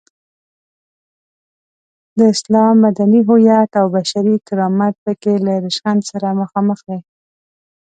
د اسلام مدني هویت او بشري کرامت په کې له ریشخند سره مخامخ دی.